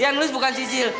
yang nulis bukan sisil